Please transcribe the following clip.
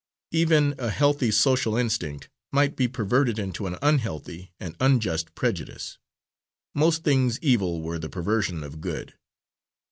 Even a healthy social instinct might be perverted into an unhealthy and unjust prejudice; most things evil were the perversion of good.